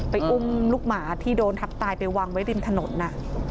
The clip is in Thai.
อุ้มลูกหมาที่โดนทับตายไปวางไว้ริมถนน